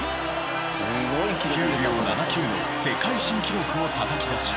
９秒７９の世界新記録をたたき出し